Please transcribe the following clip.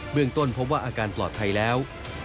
เรื่องต้นพบว่าอาการปลอดภัยแล้ว